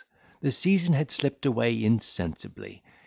the season had slipped away insensibly.